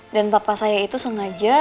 dan papa saya itu sengaja